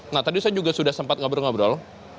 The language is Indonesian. nah tadi saya juga sudah sempat ngobrol ngobrol